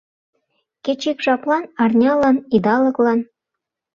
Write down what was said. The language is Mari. Кеч ик жаплан, арнялан, идалыклан.